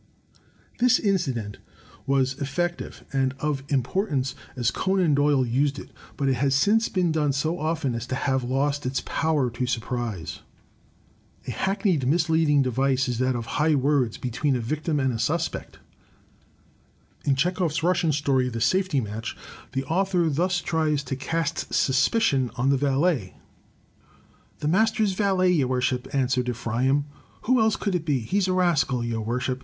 This incident was effective and of importance as Conan Doyle used it, but it has since been done so often as to have lost its power to surprise. A hackneyed misleading device is that of high words be tween a victim and a suspect. In Chekhov's Russian story, ■. .^■^■^j».iteMflid 202 THE TECHNIQUE OF THE MYSTERY STORY "The Safety Match," the author thus tries to cast suspicion on the valet. "The master's valet, your worship," answered Ephraim. "Who else could it be? He's a rascal, your worship!